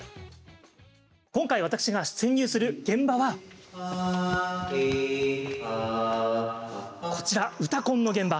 今回、私が潜入する現場はこちら、「うたコン」の現場。